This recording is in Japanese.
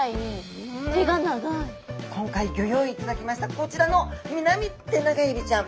今回ギョ用意いただきましたこちらのミナミテナガエビちゃん。